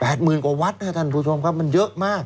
หมื่นกว่าวัดนะครับท่านผู้ชมครับมันเยอะมาก